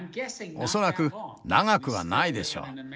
恐らく長くはないでしょう。